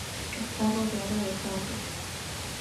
Está rodeada de santos.